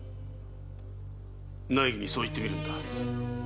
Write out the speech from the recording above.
⁉内儀にそう言ってみるのだ。